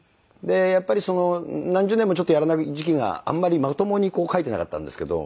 やっぱり何十年もちょっとやらない時期があんまりまともに書いていなかったんですけど。